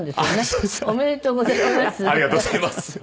ありがとうございます。